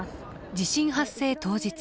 地震発生当日